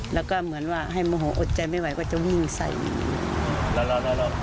แล้วก็เหมือนว่าให้โมหูอดใจไม่ไหวก็จะวิ่งใส่แล้วแล้วแล้ว